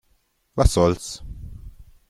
Was soll's?